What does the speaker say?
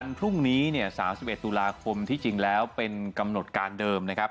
พรุ่งนี้เนี่ย๓๑ตุลาคมที่จริงแล้วเป็นกำหนดการเดิมนะครับ